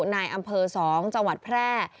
ในอำเภอ๒จังหวัดแพร่